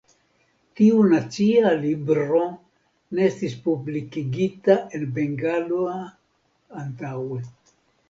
Tiu nacia libro ne estis publikigita en bengala antaŭe.